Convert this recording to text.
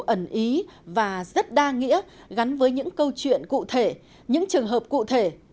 ẩn ý và rất đa nghĩa gắn với những câu chuyện cụ thể những trường hợp cụ thể